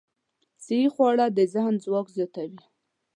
صحي خواړه د ذهن ځواک زیاتوي.